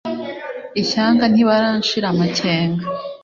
Ishyanga nti baranshira amakenga,